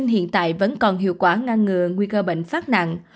hiện tại vẫn còn hiệu quả ngăn ngừa nguy cơ bệnh phát nặng